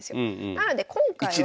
なので今回は。